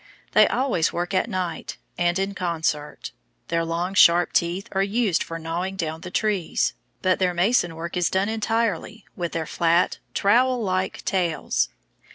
They always work at night and in concert. Their long, sharp teeth are used for gnawing down the trees, but their mason work is done entirely with their flat, trowel like tails.